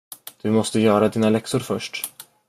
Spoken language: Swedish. Du måste göra dina läxor först.